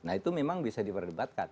nah itu memang bisa diperdebatkan